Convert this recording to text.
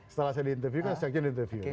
setelah saya diinterview kan sekjen diinterview